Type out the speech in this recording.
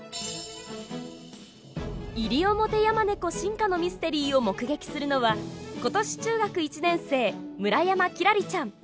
「イリオモテヤマネコ進化のミステリー」を目撃するのは今年中学１年生村山輝星ちゃん